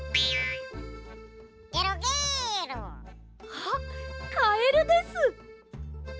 あっカエルです。